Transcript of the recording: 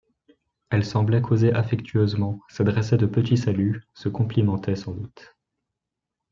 Elles semblaient causer affectueusement, s’adressaient de petits saluts, se complimentaient sans doute.